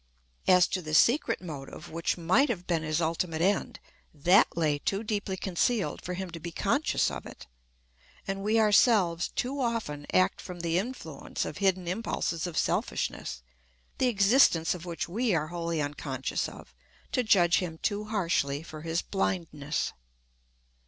As to the secret motive, which might have been his ultimate end, that lay too deeply concealed for him to be conscious of it. And we ourselves too often act from the influence of hidden impulses of selfishness, the existence of which we are wholly unconscious of, to judge him too harshly for his blindness.